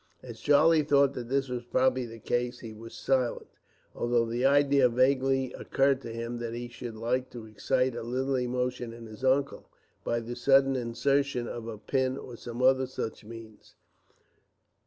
As Charlie thought that this was probably the case, he was silent, although the idea vaguely occurred to him that he should like to excite a little emotion in his uncle, by the sudden insertion of a pin, or some other such means.